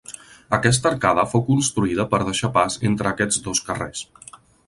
Aquesta arcada fou construïda per deixar pas entre aquests dos carrers.